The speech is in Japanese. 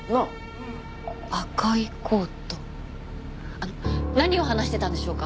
あの何を話してたんでしょうか？